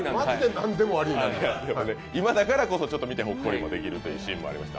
今だからこそ見てほっこりできるというシーンもありました。